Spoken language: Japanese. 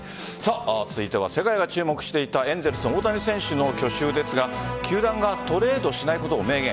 続いては世界が注目していたエンゼルスの大谷選手の去就ですが球団がトレードしないことを明言。